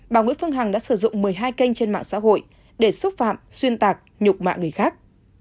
bà nguyễn phương hằng đã sử dụng một mươi hai kênh trên mạng xã hội để xúc phạm xuyên tạc nhục mạ người khác